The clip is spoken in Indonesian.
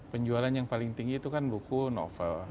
penjualan yang paling tinggi itu kan buku novel